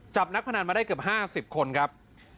นักพนันมาได้เกือบ๕๐คนครับ